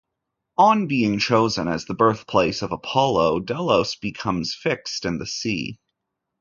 On being chosen as the birthplace of Apollo, Delos becomes fixed in the sea.